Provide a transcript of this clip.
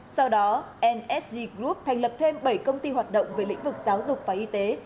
sau đó nsg group thành lập thêm bảy công ty hoạt động về lĩnh vực giáo dục và y tế